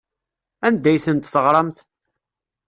Anda ay tent-teɣramt?